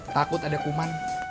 takut ada kuman